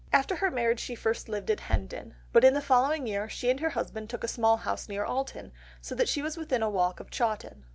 After her marriage she first lived at Hendon, but in the following year she and her husband took a small house near Alton, so that she was within a walk of Chawton.